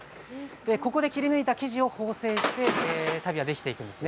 ここで切り抜いた生地を縫製して足袋ができていくんですね。